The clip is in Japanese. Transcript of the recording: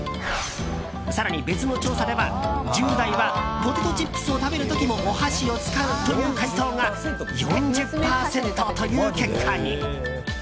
更に別の調査では、１０代はポテトチップスを食べる時もお箸を使うという回答が４０％という結果に。